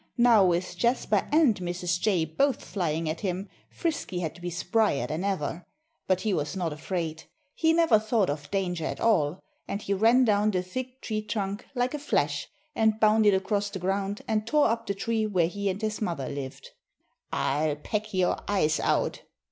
Now, with Jasper and Mrs. Jay both flying at him, Frisky had to be sprier than ever. But he was not afraid. He never thought of danger at all. And he ran down the thick tree trunk like a flash and bounded across the ground and tore up the tree where he and his mother lived. "I'll peck your eyes out!"